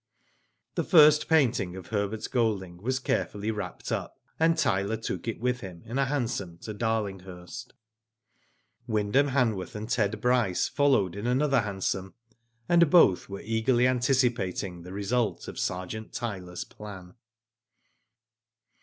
The first painting of Herbert Golding was care fully wrapped up, and Tyler took it with him in a hansom to Darlinghurst. Wyndham Hanworth and Ted Bryce followed in another hansom, and both were eagerly antici pating the result of Sergeant Tyler's plan.